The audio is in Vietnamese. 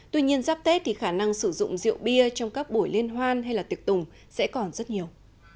tuy nhiên giáp tết thì khả năng sử dụng diệu biệt trong các buổi liên hoan hay tiệc tùng sẽ còn rất nhiều